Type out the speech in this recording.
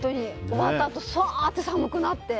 終わったあとさーっと寒くなって。